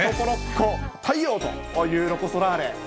ロコ、太陽というロコ・ソラーレ。